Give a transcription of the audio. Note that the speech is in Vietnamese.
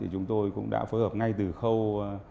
chúng tôi cũng đã phối hợp ngay từ khâu